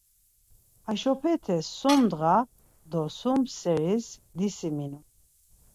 Haşopete sun ndğa do sum seris disiminu.